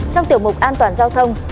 trong tiểu mục an toàn giao thông